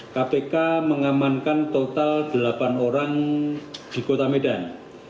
kpk mengamankan total delapan orang di kota medan